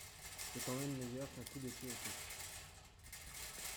C’est quand même meilleur qu’un coup de pied au cul